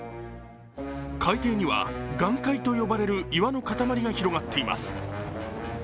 海底には岩塊と呼ばれる岩の塊が広がっています。